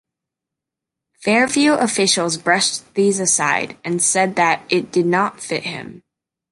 Fairview officials brushed these aside and said that it "did not fit in".